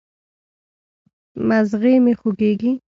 مځغی مي خوږیږي